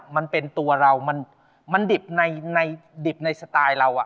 มันเป็นตัวเรามันดิบในดิบในสไตล์เรา